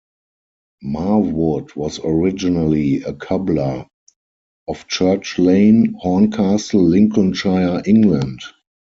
Marwood was originally a cobbler, of Church Lane, Horncastle, Lincolnshire, England.